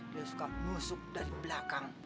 dia suka nusuk dari belakang